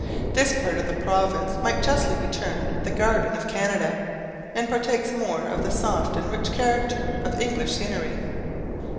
This part of the province might justly be termed the garden of Canada, and partakes more of the soft and rich character of English scenery.